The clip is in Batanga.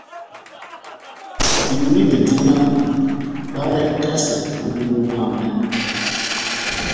Ihulidɛndi náh barentase mʼpundungu mwámɛ.